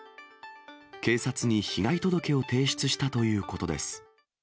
警察に被害届を提出したということです。